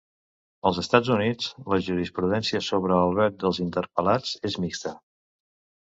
Als Estatus Units, la jurisprudència sobre el vet dels interpel·lants és mixta.